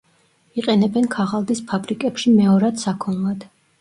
იყენებენ ქაღალდის ფაბრიკებში მეორად საქონლად.